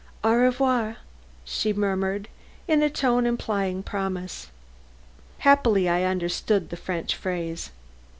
"Au revoir!" she murmured in a tone implying promise. Happily I understood the French phrase.